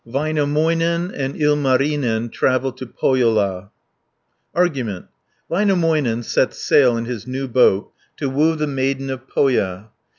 VÄINÄMÖINEN AND ILMARINEN TRAVEL TO POHJOLA Argument Väinämöinen sets sail in his new boat to woo the Maiden of Pohja (1 40).